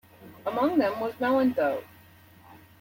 Among them was Melantho.